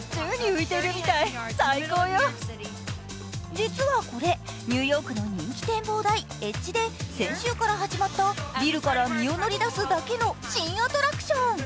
実はこれニューヨークの人気展望台、エッジで先週から始まった、ビルから身を乗り出すだけの新アトラクション。